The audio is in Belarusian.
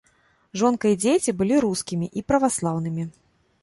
Жонка і дзеці былі рускімі і праваслаўнымі.